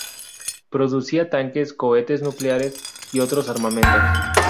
Producía tanques, cohetes nucleares y otros armamentos.